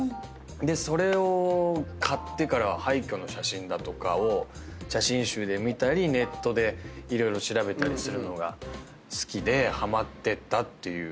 それを買ってから廃墟の写真だとかを写真集で見たりネットで色々調べたりするのが好きでハマってったっていう。